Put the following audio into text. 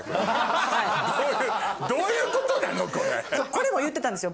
これも言ってたんですよ